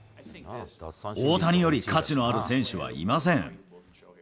大谷より価値のある選手はいません。